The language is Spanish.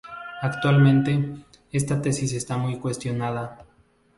Actualmente, esta tesis está muy cuestionada.